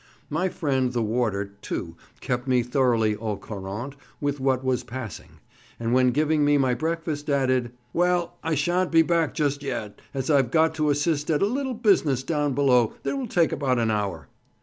My friend the warder, too, kept me thoroughly au courant with what was passing, and when giving me my breakfast added, "Well, I sha'n't be back just yet, as I've got to assist at a little business down below that will take about an hour."